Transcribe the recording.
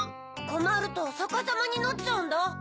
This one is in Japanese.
こまるとさかさまになっちゃうんだ。